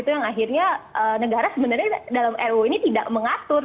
yang akhirnya negara sebenarnya dalam ruhp ini tidak mengatur